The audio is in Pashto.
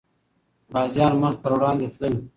غازيان مخ پر وړاندې تلل.